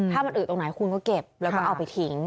ถ้ามันอึดตรงไหนคุณก็เก็บแล้วก็เอาไปทิ้ง